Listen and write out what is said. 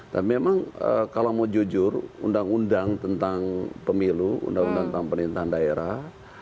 tapi memang kalau mau jujur undang undang tentang pemilu undang undang tentang perintahan daerah tentang pemilu juga